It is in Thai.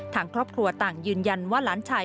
ทางครอบครัวต่างยืนยันว่าหลานชาย